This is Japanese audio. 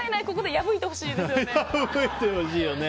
破いてほしいですよね。